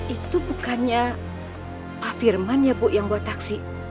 itu bukannya pak firman ya bu yang buat taksi